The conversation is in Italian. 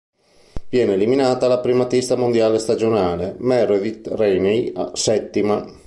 Viene eliminata la primatista mondiale stagionale, Meredith Rainey, settima.